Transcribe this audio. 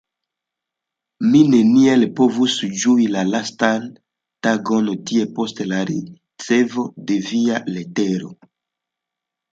Mi neniel povus ĝui la lastajn tagojn tie post la ricevo de via letero.